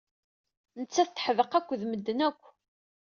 Nettat teḥdeq akked medden akk.